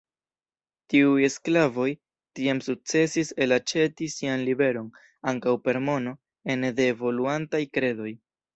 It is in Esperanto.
Tiuj sklavoj, tiam sukcesis elaĉeti sian liberon, ankaŭ per mono, ene de evoluantaj kredoj!